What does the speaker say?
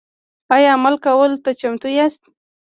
ایا عمل کولو ته چمتو یاست؟